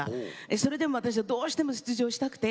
それでも私はどうしても出場したくて